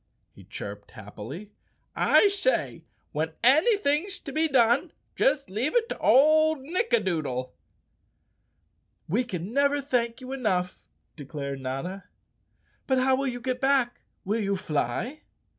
he chirped happily. "I say, when anything's to be done just leave it to old Nick adoodle." "We can never thank you enough," declared Notta. "But how will you get back? Will you fly?"